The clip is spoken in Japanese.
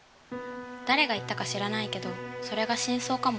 誰が言ったか知らないけどそれが真相かも。